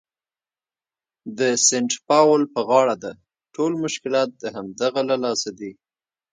د سینټ پاول په غاړه ده، ټول مشکلات د همدغه له لاسه دي.